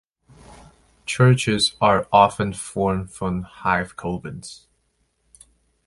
Churches are often formed from hive covens.